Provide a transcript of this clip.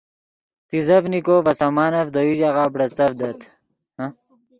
تیزڤنیکو ڤے سامانف دے یو ژاغہ بڑیڅڤدت